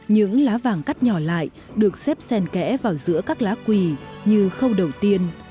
những lá vàng cắt nhỏ lại được xếp sen kẽ vào giữa các lá quỳ như khâu đầu tiên